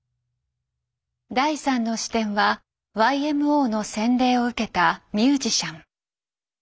第３の視点はＹＭＯの洗礼を受けたミュージシャン。